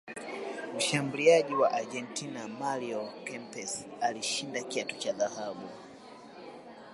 mshambuliaji wa argentina mario Kempes alishinda kiatu cha dhahabu